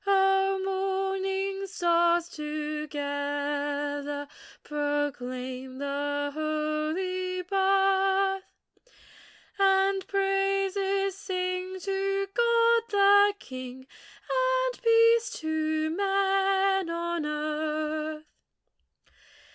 O morning stars, together Proclaim the holy birth ! And praises sing to God the King, And peace to men on earth.